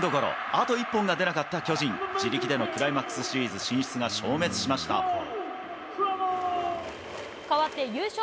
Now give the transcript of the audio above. あと一本が出なかった巨人、自力でのクライマックスシリーズ変わって優勝